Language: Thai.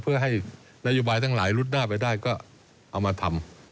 เพื่อให้นโยบายทั้งหลายลุดหน้าไปได้ก็เอามาทำ